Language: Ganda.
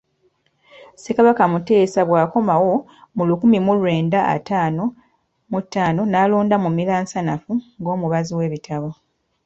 Ssekabaka Muteesa bw’akomawo mu lukumi mu lwenda ataano mu ttaano, n’alonda Mumiransanafu ng'omubazi w’ebitabo.